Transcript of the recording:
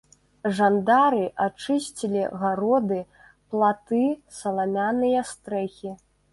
Жандары ачысцілі гароды, платы, саламяныя стрэхі.